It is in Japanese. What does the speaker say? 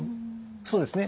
そうですね。